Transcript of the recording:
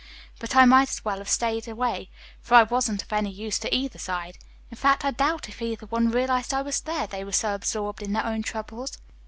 But I might as well have stayed away, for I wasn't of any use to either side. In fact, I doubt if either one realized I was there, they were so absorbed in their own troubles."